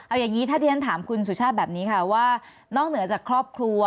เอาอย่างนี้ถ้าที่ฉันถามคุณสุชาติแบบนี้ค่ะว่านอกเหนือจากครอบครัว